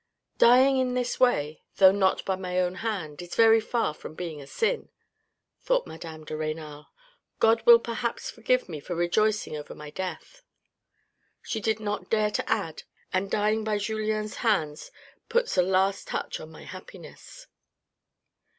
" Dying in this way, though not by my own hand, is very far from being a sin," thought madame de Renal. " God will perhaps forgive me for rejoicing over my death." She did not dare to add, " and dying by Julien's hand puts the last touch on my happiness."